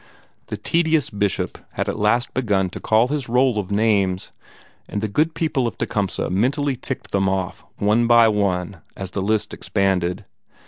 The tedious Bishop had at last begun to call his roll of names, and the good people of Tecumseh mentally ticked them off, one by one, as the list expanded.